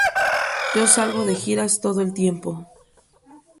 Yo salgo de giras todo el tiempo.